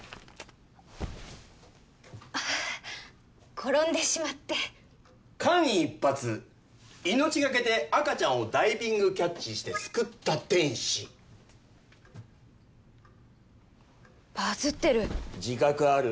転んでしまって間一髪命懸けで赤ちゃんをダイビングキャッチして救った天使バズってる自覚ある？